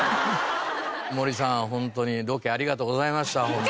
森さんホントにロケありがとうございました。